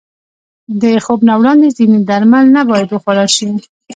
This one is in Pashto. د خوب نه وړاندې ځینې درمل نه باید وخوړل شي.